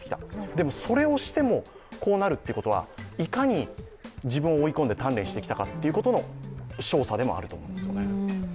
でも、それをしても、こうなるってことはいかに自分を追い込んで鍛錬してきたかということの証左でもあると思います。